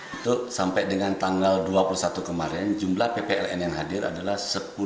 itu sampai dengan tanggal dua puluh satu kemarin jumlah ppln yang hadir adalah sepuluh ribu satu ratus lima puluh delapan